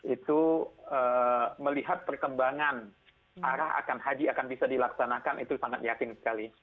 itu melihat perkembangan arah akan haji akan bisa dilaksanakan itu sangat yakin sekali